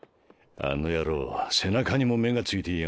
あの野郎背中にも目が付いていやがる。